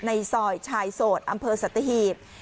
ในซอยชายโสดอำเภอสัตหีบ